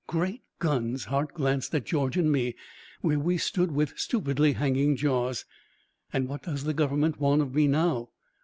"Great guns!" Hart glanced at George and me, where we stood with stupidly hanging jaws. "And what does the government want of me now?"